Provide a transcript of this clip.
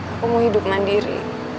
aku mau hidup mandiri